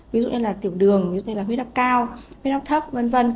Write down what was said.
ví dụ như tiểu đường huyết áp cao huyết áp thấp v v